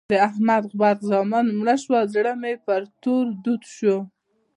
د احمد غبرګ زامن مړه شول؛ زړه مې پر تور دود شو.